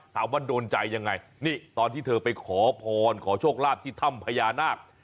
โดนใจยังไงนี่ตอนที่เธอไปขอพรขอโชคลาภที่ถ้ำพญานาค